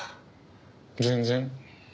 全然。